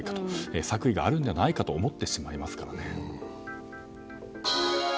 作為があるのではないかと思ってしまいますからね。